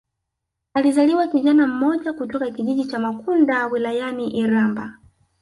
Alizaliwa kijana mmoja kutoka kijiji cha Makunda wilayani Iramba